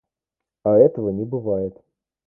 А этого не бывает.